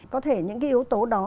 có thể những cái yếu tố đó